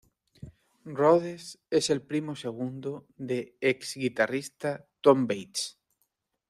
Rhodes es el primo segundo de Ex guitarrista Tom Bates.